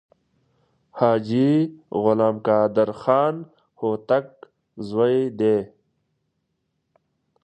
حاجي غلام قادر خان هوتک زوی دی.